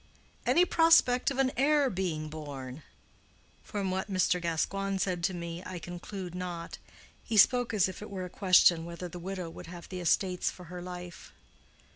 "Any prospect of an heir being born?" "From what Mr. Gascoigne said to me, I conclude not. He spoke as if it were a question whether the widow would have the estates for her life."